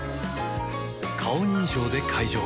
顔認証で解錠